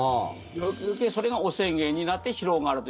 余計、それが汚染源になって広がると。